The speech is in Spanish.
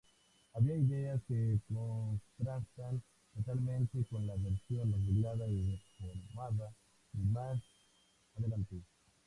Había ideas que contrastan totalmente con la versión arreglada y reformada de más adelante.